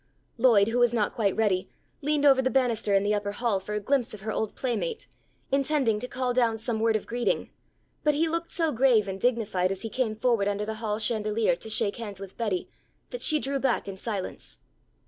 Lloyd who was not quite ready, leaned over the banister in the upper hall for a glimpse of her old playmate, intending to call down some word of greeting; but he looked so grave and dignified as he came forward under the hall chandelier to shake hands with Betty, that she drew back in silence.